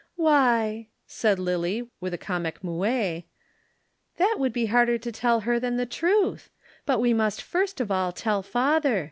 "Why," said Lillie, with a comic moue, "that would be harder to tell her than the truth. But we must first of all tell father.